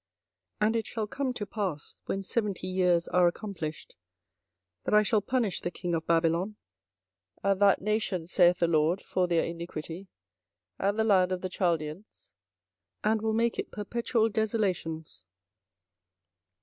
24:025:012 And it shall come to pass, when seventy years are accomplished, that I will punish the king of Babylon, and that nation, saith the LORD, for their iniquity, and the land of the Chaldeans, and will make it perpetual desolations.